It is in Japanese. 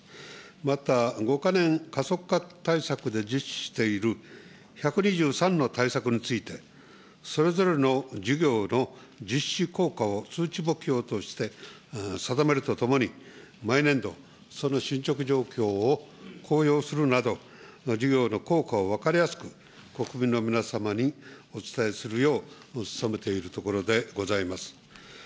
また、５か年加速化対策で実施している１２３の対策について、それぞれの事業の実施効果を数値目標として定めるとともに、毎年度、その進捗状況を公表するなど、事業の効果を分かりやすく国民の皆様にお伝えするよう努めているところでございます。